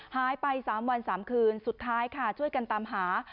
หายไป๓วัน๓คืนสุดท้ายค่ะช่วยกันตามหา